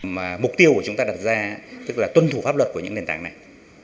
mà mục tiêu của chúng ta đặt ra tức là tuân thủ pháp luật của những nền tảng này